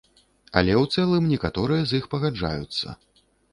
Але ў цэлым некаторыя з іх пагаджаюцца.